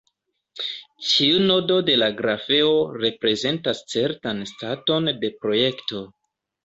Ĉiu nodo de la grafeo reprezentas certan staton de projekto.